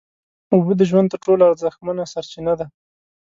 اوبه د ژوند تر ټولو ارزښتمنه سرچینه ده